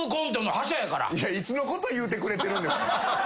いつのこと言うてくれてるんですか。